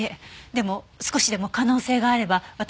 でも少しでも可能性があれば私は。